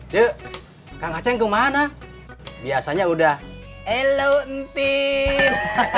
cik kang haceng kemana biasanya udah elok ntik